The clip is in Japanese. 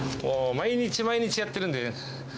毎日毎日、やってるんでね。